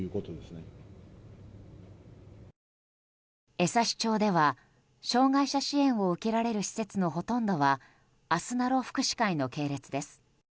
江差町では、障害者支援を受けられる施設のほとんどはあすなろ福祉会の系列です。